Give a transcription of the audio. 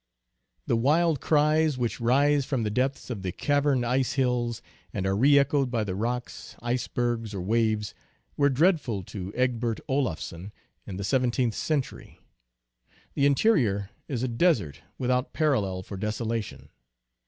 The wild cries which rise from the depths of the caverned ice hills, and are reechoed by the rocks, icebergs, or waves, were dreadful to Egbert Olaf son in the seventeenth century. The interior is a des ert without parallel for desolation.